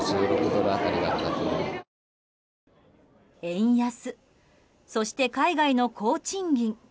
円安、そして海外の高賃金。